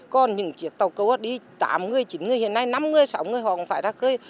còn những chiếc tàu câu đi tám người chín người hiện nay năm mươi sáu người họ cũng phải ra khơi